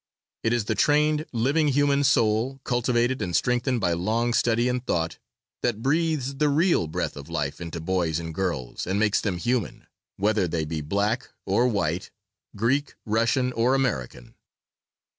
It is the trained, living human soul, cultivated and strengthened by long study and thought, that breathes the real breath of life into boys and girls and makes them human, whether they be black or white, Greek, Russian or American.